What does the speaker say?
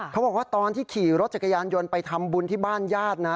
เขาบอกว่าตอนที่ขี่รถจักรยานยนต์ไปทำบุญที่บ้านญาตินะ